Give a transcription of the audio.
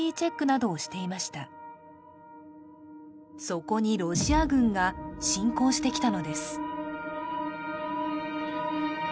そこにロシア軍が侵攻してきたのです